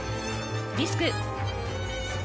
リスク。